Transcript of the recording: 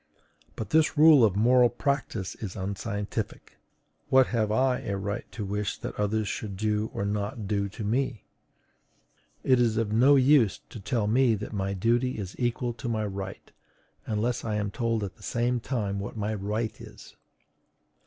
But this rule of moral practice is unscientific: what have I a right to wish that others should do or not do to me? It is of no use to tell me that my duty is equal to my right, unless I am told at the same time what my right is.